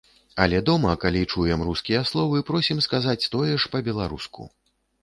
Але дома, калі чуем рускія словы, просім сказаць тое ж па-беларуску.